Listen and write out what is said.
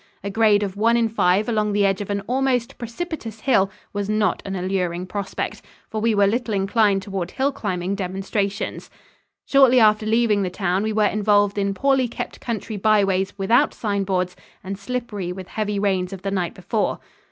A grade of one in five along the edge of an almost precipitous hill was not an alluring prospect, for we were little inclined toward hill climbing demonstrations. Shortly after leaving the town we were involved in poorly kept country byways without sign boards and slippery with heavy rains of the night before.